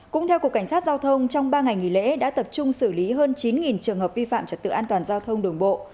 cũng theo cục cảnh sát giao thông trong ba ngày nghỉ lễ đã tập trung xử lý hơn chín trường hợp vi phạm trật tự an toàn giao thông đường bộ